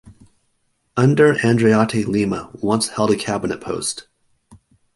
Under Andreotti Lima once held a cabinet post.